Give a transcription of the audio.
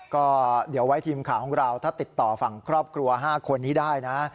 ก็เดี๋ยวไว้ทีมข่าวของเราถ้าติดต่อฝั่งครอบครัว๕คนนี้ได้นะ